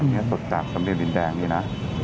อันนี้สดจากสำเร็จบินแดงดีนะ